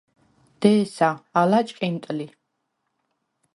დე̄სა, ალა ჭყინტ ლი.